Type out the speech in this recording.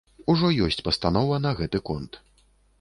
Ужо ёсць пастанова на гэты конт.